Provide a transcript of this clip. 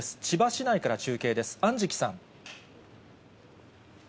千葉市内から中継です、安食さん。